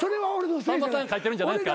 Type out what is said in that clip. さんまさん書いてるんじゃないですか？